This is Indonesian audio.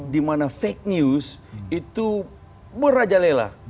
dimana fake news itu merajalela